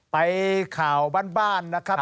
ไปข่าวบ้านนะครับ